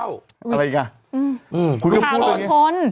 อะไรอีกอ่ะคุณก็พูดแบบนี้ข่าวลุงพล